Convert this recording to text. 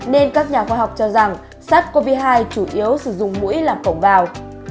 nên các nhà khoa học cho rằng sars cov hai chủ yếu sử dụng mũi làm phổng vào